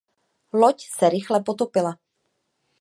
Loď se rychle potopila.